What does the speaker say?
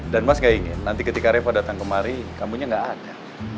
dan mas gak ingin nanti ketika reva datang kemari kamunya gak ada